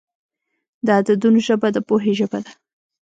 د عددونو ژبه د پوهې ژبه ده.